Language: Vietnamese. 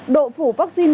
độ phủ vắc xin